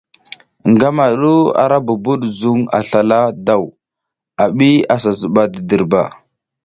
Ngama du ara bubud zuŋ a slala daw, a bi a sa zuɓa ti dirba.